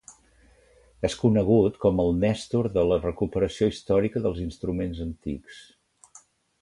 És conegut com el Nèstor de la recuperació històrica dels instruments antics.